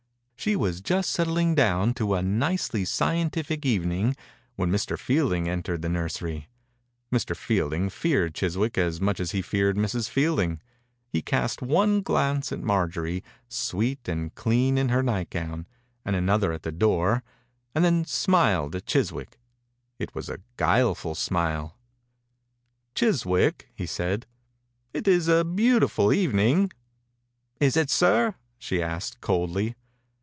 She was just settling down to a nicely scientific evening when Mr. Fielding entered the nur sery. Mr. Fielding feared Chis wick as much as he feared Mrs. Fielding. He cast one glance at Marjorie, sweet and clean in 79 THE INCUBATOR BABY her nightgown, and another at the door, and then smiled at Chiswick. It was a guileful smile. « Chiswick," he said, " it is a beautiful evening.*' "Is it, sir?" she asked, coldly.